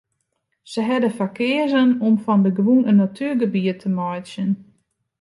Sy hawwe der foar keazen om fan de grûn in natuergebiet te meitsjen.